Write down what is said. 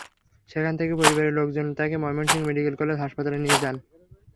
সেখান থেকে পরিবারের লোকজন তাঁকে ময়মনসিংহ মেডিকেল কলেজ হাসপাতালে নিয়ে যান।